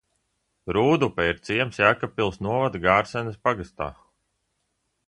Rūdupe ir ciems Jēkabpils novada Gārsenes pagastā.